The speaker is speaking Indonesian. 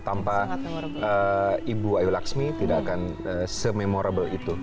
tanpa ibu ayu laksmi tidak akan sememorable itu